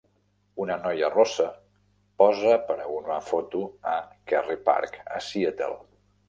Una noia rossa posa per a una foto a Kerry Park a Seattle.